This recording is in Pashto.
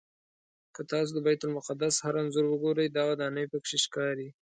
که تاسو د بیت المقدس هر انځور وګورئ دا ودانۍ پکې ښکاري.